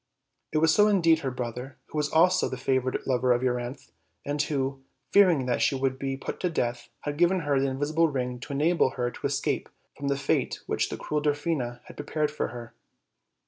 It was indeed her brother, who was also the favored lover of Euryanthe, and who, fearing that she would be put to death, had given her the invisible ring to enable her to escape from the fate which the cruel Dwarfina had prepared for her.